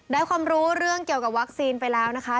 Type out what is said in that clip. ความรู้เรื่องเกี่ยวกับวัคซีนไปแล้วนะคะ